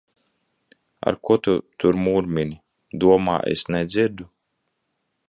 Ar ko tu tur murmini? Domā, es nedzirdu!